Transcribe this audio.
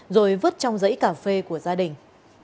rồi vứt trong giấy cà phê của gia đình